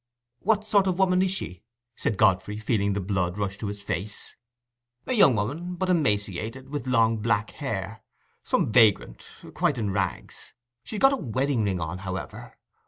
"What sort of woman is she?" said Godfrey, feeling the blood rush to his face. "A young woman, but emaciated, with long black hair. Some vagrant—quite in rags. She's got a wedding ring on, however.